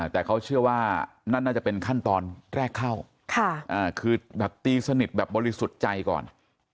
แต่เขาเชื่อว่านั่นน่าจะเป็นขั้นตอนแรกเข้าคือแบบตีสนิทแบบบริสุทธิ์ใจก่อน